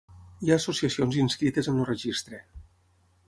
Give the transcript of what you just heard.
Hi ha associacions inscrites en el Registre.